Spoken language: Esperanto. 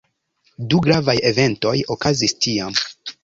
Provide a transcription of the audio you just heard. Du gravaj eventoj okazis tiam.